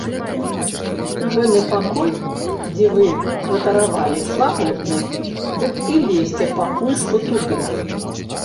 Гэны пакой, дзе вы кватаравалі, свабодны, дык і лезьце пакуль што туды.